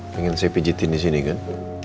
pengen saya pijetin disini kan